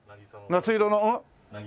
夏色のん？